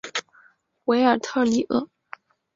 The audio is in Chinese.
韦尔特里厄。